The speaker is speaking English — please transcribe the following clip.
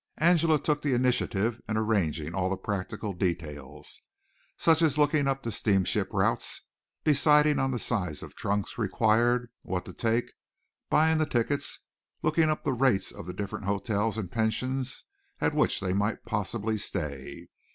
Angela took the initiative in arranging all the practical details such as looking up the steamship routes, deciding on the size of trunks required, what to take, buying the tickets, looking up the rates of the different hotels and pensions at which they might possibly stay.